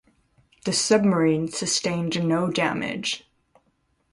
The submarine sustained no damage.